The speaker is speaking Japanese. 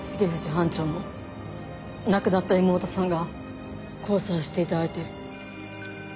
班長の亡くなった妹さんが交際していた相手。